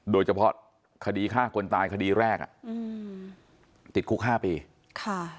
โดยเฉพาะคดีฆ่าคนตายคดีแรกติดคุก๕ปี